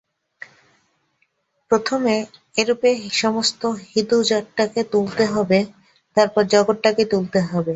প্রথমে ঐরূপে সমস্ত হিঁদুজাতটাকে তুলতে হবে, তারপর জগৎটাকে তুলতে হবে।